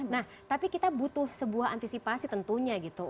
nah tapi kita butuh sebuah antisipasi tentunya gitu